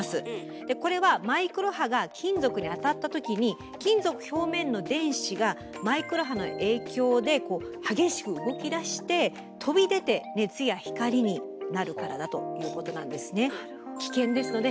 でこれはマイクロ波が金属に当たった時に金属表面の電子がマイクロ波の影響で激しく動きだして飛び出て熱や光になるからだということなんですね。